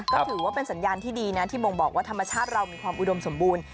ก็ถือว่าเป็นสัญญาณที่ดีนะที่บ่งบอกว่าธรรมชาติเรามีความอุดมสมบูรณ์